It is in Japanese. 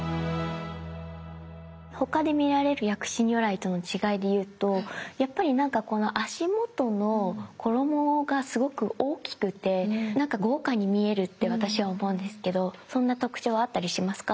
他で見られる薬師如来との違いでいうとやっぱりなんか足元の衣がすごく大きくてなんか豪華に見えるって私は思うんですけどそんな特徴はあったりしますか？